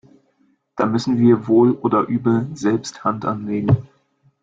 Da müssen wir wohl oder übel selbst Hand anlegen.